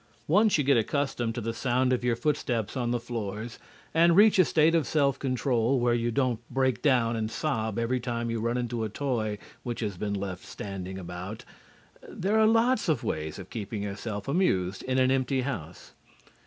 Once you get accustomed to the sound of your footsteps on the floors and reach a state of self control where you don't break down and sob every time you run into a toy which has been left standing around, there are lots of ways of keeping yourself amused in an empty house.